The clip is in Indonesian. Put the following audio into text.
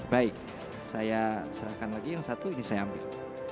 baik saya serahkan lagi yang satu ini saya ambil